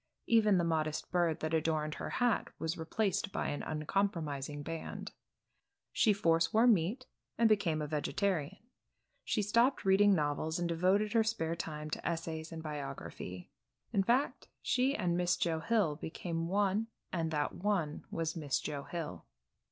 Even the modest bird that adorned her hat was replaced by an uncompromising band. She foreswore meat and became a vegetarian. She stopped reading novels and devoted her spare time to essays and biography. In fact she and Miss Joe Hill became one and that one was Miss Joe Hill.